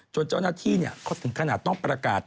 เจ้าหน้าที่เขาถึงขนาดต้องประกาศ